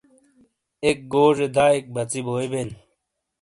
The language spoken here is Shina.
ایک گوزے دائیک بژی بوبین۔